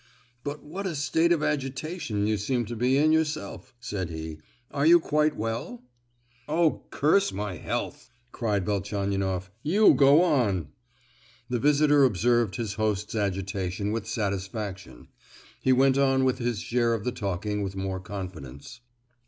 "But what a state of agitation you seem to be in yourself!" said he, "are you quite well?" "Oh, curse my health!" cried Velchaninoff,—"you go on!" The visitor observed his host's agitation with satisfaction; he went on with his share of the talking with more confidence.